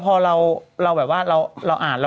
ต้องให้ได้อย่างนั้นสิวะ